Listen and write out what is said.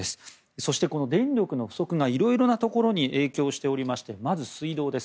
そして、この電力の不足がいろいろなところに影響していてまず水道です。